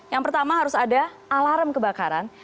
yang pertama harus ada alarm kebakaran